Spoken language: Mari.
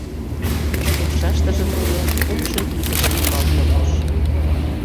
Умшаштыже тудо кумшо игыжым нумал кондыш.